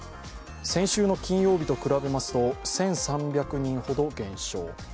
先週の金曜日と比べますと１３００人ほど減少。